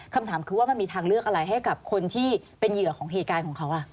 คำถามคือว่ามันมีทางเลือกอะไรให้กับคนที่เป็นเหยื่อของเหตุการณ์ของเขา